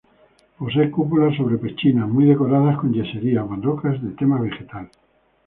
Posee cúpula sobre pechinas muy decoradas con yeserías barrocas de tema vegetal.